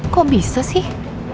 kok bisa sih